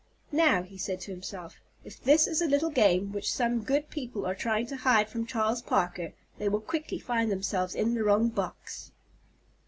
"Now," he said to himself, "if this is a little game which some good people are trying to hide from Charles Parker they will quickly find themselves in the wrong box."